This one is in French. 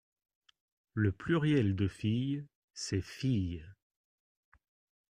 Le pluriel de fille c’est filles.